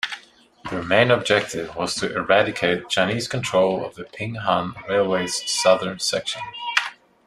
Their main objective was to eradicate Chinese control of the Ping-Han Railway's southern section.